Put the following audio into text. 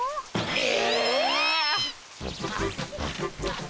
え！